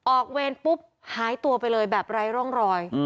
เวรปุ๊บหายตัวไปเลยแบบไร้ร่องรอย